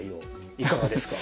いかがですか？